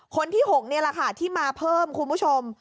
คนที่๖นี่แหละค่ะที่มาเพิ่มคุณผู้ชม